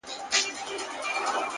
د عمل دوام استعداد ته ارزښت ورکوي,